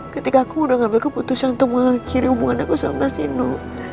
ketika aku udah ngambil keputusan untuk mengakhiri hubungan aku sama sindu